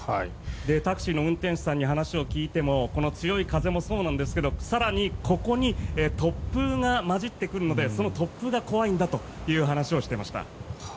タクシーの運転手さんに話を聞いてもこの強い風もそうなんだけれど更にここに突風が交じってくるのでその突風が怖いんだという話をしていました。